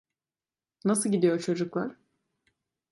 Nasıl gidiyor çocuklar?